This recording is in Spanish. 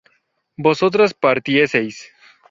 vosotras partieseis